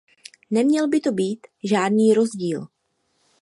Neměl by to být žádný rozdíl.